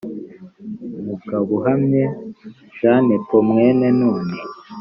mugabuhamye j nepo mwene nuni